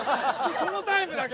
そのタイムだけ。